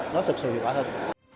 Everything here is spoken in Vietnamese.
nó thực sự hiệu quả hơn